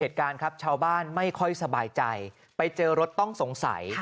เหตุการณ์ครับชาวบ้านไม่ค่อยสบายใจไปเจอรถต้องสงสัย